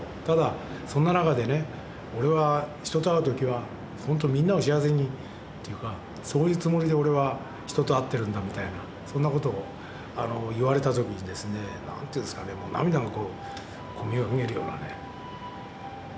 ただそんな中でね俺は人と会う時はみんなを幸せにというかそういうつもりで俺は人と会ってるんだみたいなそんなことを言われた時にですねなんていうんすかね涙がこう込み上げるようなね。